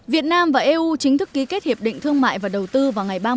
việt nam và eu chính thức ký kết hiệp định thương mại và đầu tư vào ngày ba tháng